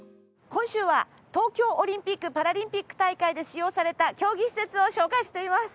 今週は東京オリンピックパラリンピック大会で使用された競技施設を紹介しています。